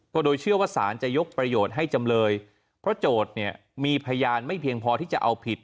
โดยเชื่อว่าสารจะยกประโยชน์ให้จำเลยเพราะโจทย์เนี่ยมีพยานไม่เพียงพอที่จะเอาผิด